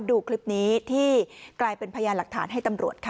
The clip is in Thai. ดูคลิปนี้ที่กลายเป็นพยานหลักฐานให้ตำรวจค่ะ